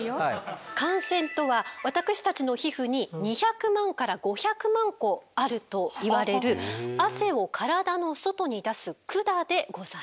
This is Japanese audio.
汗腺とは私たちの皮膚に２００万から５００万個あるといわれる汗を体の外に出す管でございます。